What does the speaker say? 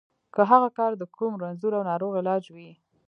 که هغه کار د کوم رنځور او ناروغ علاج وي.